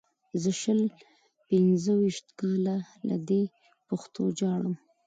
زه شل پنځه ویشت کاله له دې پښتو ژاړم.